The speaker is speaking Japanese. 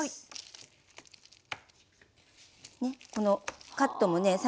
このカットもね